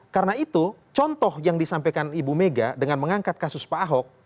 karena itu contoh yang disampaikan ibu mega dengan mengangkat kasus pak ahok